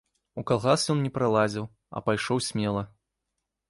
У калгас ён не пралазіў, а пайшоў смела.